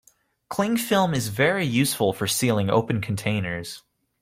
Clingfilm is very useful for sealing open containers